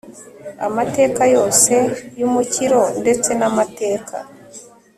amateka yose y'umukiro ndetse n'amateka